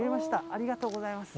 ありがとうございます。